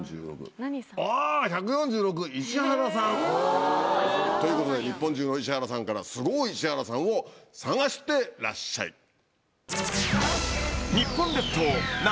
あ１４６石原さん！ということで日本中の石原さんからスゴい石原さんを探してらっしゃい。